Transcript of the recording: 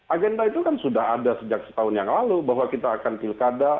agenda itu kan sudah ada sejak setahun yang lalu bahwa kita akan pilkada